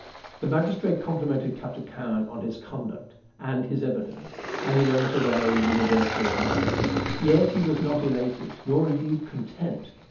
The magistrate complimented Captain Cowen on his conduct and his evidence, and he went away universally admired. Yet he was not elated, nor indeed content.